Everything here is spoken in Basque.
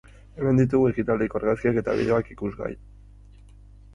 Hemen ditugu ekitaldiko argazkiak eta bideoak ikusgai!